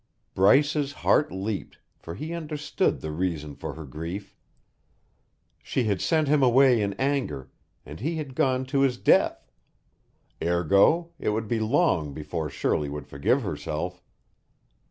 Bryce's heart leaped, for he understood the reason for her grief. She had sent him away in anger, and he had gone to his death; ergo it would be long before Shirley would forgive herself.